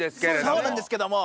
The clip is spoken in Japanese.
そうなんですけども。